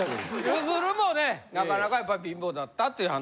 ゆずるもねなかなかやっぱり貧乏だったっていう話。